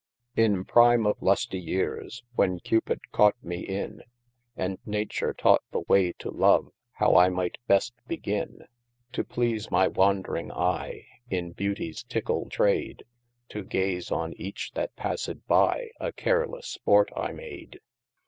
I ZV prime of lustie yeares, when Cupid caught mee in, And nature taught the waie to love, how I might best begin : To please my wandring eie, in beauties tickle trade, To gaze on eache that passed by, a carelesse sporte I made.